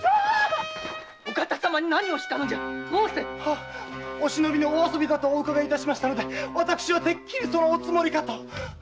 お方様に何をしたのじゃ⁉申せ！お忍びのお遊びと伺いましたのでてっきりそのおつもりかと。